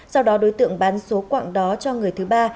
sau đó đối tượng bán số quạng đó cho người thứ ba